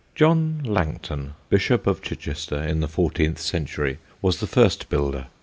John Langton, Bishop of Chichester in the fourteenth century, was the first builder.